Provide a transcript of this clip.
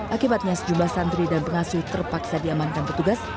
akibatnya sejumlah santri dan pengasuh terpaksa diamankan petugas